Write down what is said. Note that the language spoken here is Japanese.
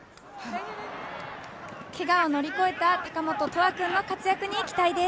◆けがを乗り越えた高本とわ君の活躍に期待です。